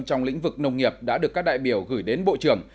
trong lĩnh vực nông nghiệp đã được các đại biểu gửi đến bộ trưởng